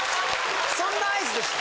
そんな合図でした？